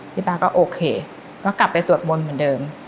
ป้าก็โอเคก็กลับไปสวดมนต์เหมือนเดิม